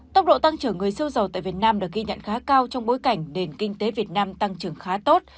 tốc độ tăng trưởng người sâu dầu tại việt nam được ghi nhận khá cao trong bối cảnh nền kinh tế việt nam tăng trưởng khá tốt